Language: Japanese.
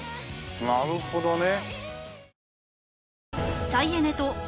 なるほどね。